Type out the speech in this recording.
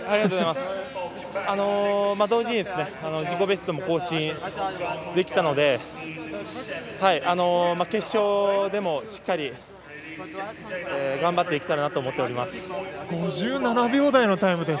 同時に自己ベストも更新できたので決勝でもしっかり頑張っていきたいなと思います。